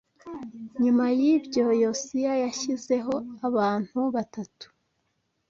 Nyuma y’ibyo Yosiya yashyizeho abantu batatu